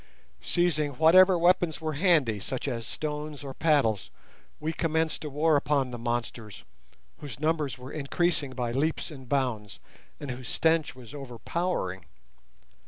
Seizing whatever weapons were handy, such as stones or paddles, we commenced a war upon the monsters—whose numbers were increasing by leaps and bounds, and whose stench was overpowering.